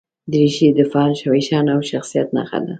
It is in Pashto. دریشي د فن، فیشن او شخصیت نښه ده.